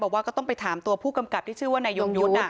ก็ต้องไปถามตัวผู้กำกับที่ชื่อว่านายยงยุทธ์